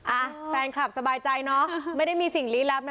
อ่ะแฟนคลับสบายใจเนอะไม่ได้มีสิ่งลี้ลับนะ